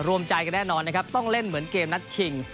รวมใจกันแน่นอนนะครับต้องเล่นเหมือนเกมนัดชิง